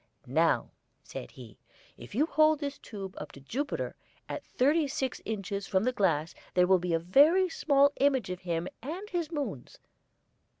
"Now," said he, "if you hold this tube up to Jupiter, at thirty six inches from the glass there will be a very small image of him and his moons.